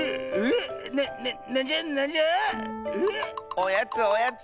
おやつおやつ！